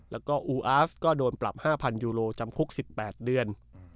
แล้วก็อูอาฟก็โดนปรับ๕๐๐ยูโรจำคุก๑๘เดือน